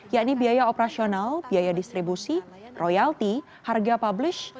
yakni biaya operasional biaya distribusi royalti harga publish